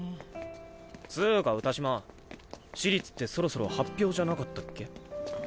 つぅか歌島私立ってそろそろ発表じゃなかったっけ？